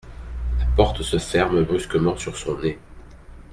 La porte se ferme brusquement sur son nez.